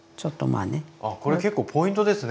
ああこれ結構ポイントですね。